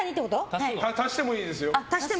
足してもいいですよ。